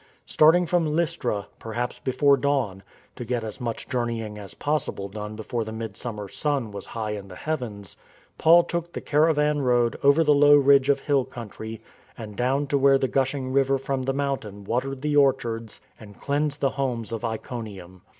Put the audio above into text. Starting from Lystra, perhaps before dawn, to get as much journeying as possible done before the midsummer sun was high in the heavens, Paul took the caravan road over the low ridge of hill country and down to where the gushing river from the mountain watered the orchards and cleansed the homes of Iconium.